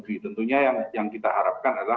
jadi tentunya yang kita harapkan adalah